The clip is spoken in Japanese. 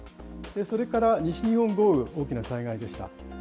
それから西日本豪雨、大きな災害でした。